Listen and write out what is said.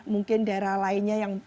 mungkin daerah lainnya yang